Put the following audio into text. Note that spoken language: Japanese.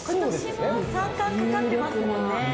今年も三冠懸かってますもんね。